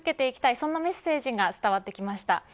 そんなメッセージが伝わってきました。